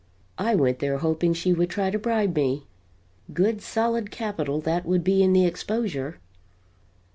I went there hoping she would try to bribe me good solid capital that would be in the exposure.